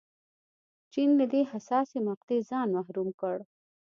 چین له دې حساسې مقطعې ځان محروم کړ.